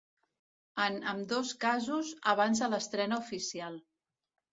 En ambdós casos, abans de l'estrena oficial.